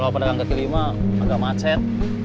kalau pada gang ketiga lima agak macet